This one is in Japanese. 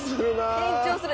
緊張する！